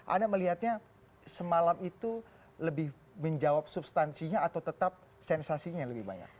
anda melihatnya semalam itu lebih menjawab substansinya atau tetap sensasinya lebih banyak